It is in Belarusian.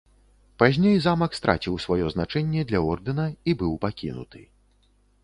Пазней замак страціў сваё значэнне для ордэна і быў пакінуты.